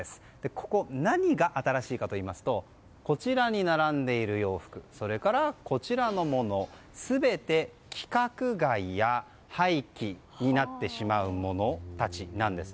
ここ、何が新しいかというとこちらに並んでいる洋服それから、こちらのもの全て、規格外や廃棄になってしまうものたちなんです。